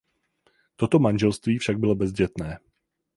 Toto manželství však bylo bezdětné.